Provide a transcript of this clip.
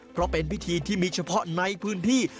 เพราะเป็นพิธีที่มีเฉพาะในพื้นที่